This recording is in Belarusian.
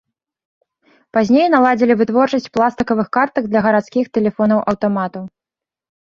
Пазней наладзілі вытворчасць пластыкавых картак для гарадскіх тэлефонаў-аўтаматаў.